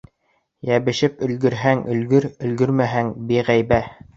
Йәбешеп өлгөрһәң, өлгөр; өлгөрмәһәң, биғәйбә.